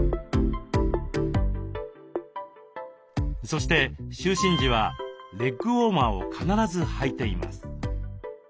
そして就寝時はレッグウォーマーを必ずはいています。